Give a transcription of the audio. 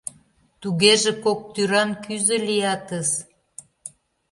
Тугеже, кок тӱран кӱзӧ лиятыс.